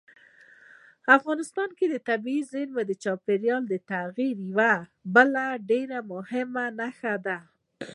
افغانستان کې طبیعي زیرمې د چاپېریال د تغیر یوه بله ډېره مهمه نښه ده.